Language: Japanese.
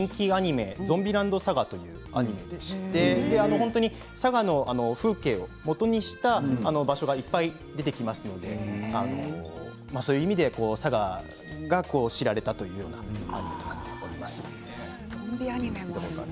「ゾンビランドサガ」アニメでして佐賀の風景をもとにした風景がいっぱい出てきますのでそういう意味で佐賀が知られたということだと思います。